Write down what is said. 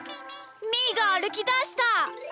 みーがあるきだした！